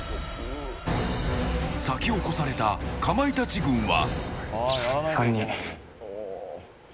先を越されたかまいたち軍は。